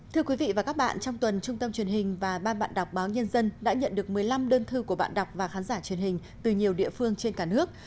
thưa quý vị và các bạn trong tuần trung tâm truyền hình và ban bạn đọc báo nhân dân đã nhận được một mươi năm đơn thư của bạn đọc và khán giả truyền hình từ nhiều địa phương trên cả nước